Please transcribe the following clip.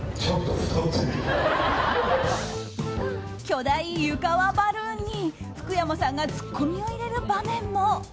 巨大湯川バルーンに福山さんがツッコミを入れる場面も。